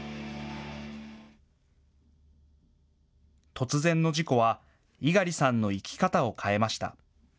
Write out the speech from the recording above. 突然の事故は猪狩さんの生き方を変えました。